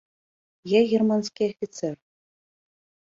- Я германскi афiцэр.